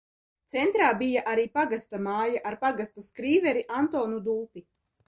Centrā bija arī pagasta māja ar pagasta skrīveri Antonu Dulpi.